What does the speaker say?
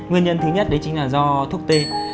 nguyên nhân thứ nhất đấy chính là do thuốc tê